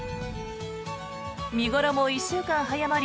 見頃も１週間早まり